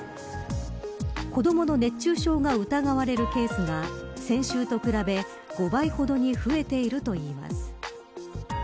子どもの熱中症が疑われるケースが先週と比べ、５倍ほどに増えているといいます。